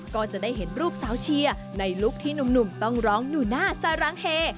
ก็จะได้เห็นรูปสาวเชียร์ในลุคที่หนุ่มต้องร้องอยู่หน้าสารังเฮ